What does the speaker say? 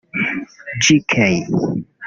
gk